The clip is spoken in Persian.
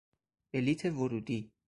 بلیط ورودی